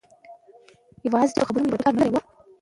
مهاراجا به شاه شجاع ته کالي ور لیږي.